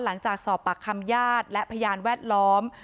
หลังจากสอบปากคำญาติและพยานแวดล้อม